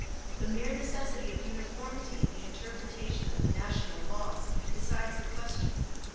The mere necessity of uniformity in the interpretation of the national laws, decides the question.